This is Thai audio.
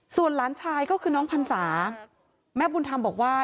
ส่วนหลานชายก็คือน้องพรรษาแม่บุญธรรมบอกว่า